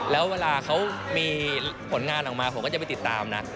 แล้วเวลาเขามีผลงานออกมาผมก็จะไปติดตามนะ